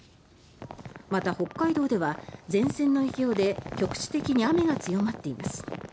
また、北海道では前線の影響で局地的に雨が強まっています。